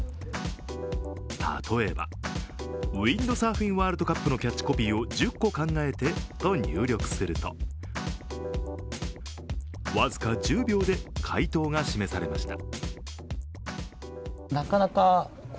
例えばウインドサーフィンワールドカップのキャッチコピーを１０個考えてと入力すると僅か１０秒で回答が示されました。